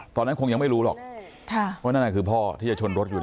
ตอนนั้นคงยังไม่รู้หรอกว่านั่นน่ะคือพ่อที่จะชนรถอยู่